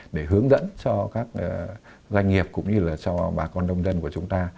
để hướng dẫn cho các doanh nghiệp cũng như là cho bà con nông dân của chúng ta